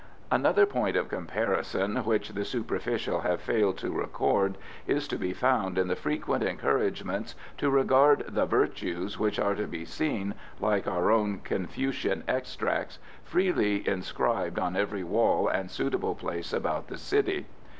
Another point of comparison which the superficial have failed to record is to be found in the frequent encouragements to regard The Virtues which are to be seen, like our own Confucian extracts, freely inscribed on every wall and suitable place about the city.